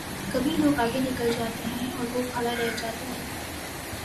کبھی لوگ آگے نکل جاتے ہیں اور وہ کھڑا رہ جا تا ہے۔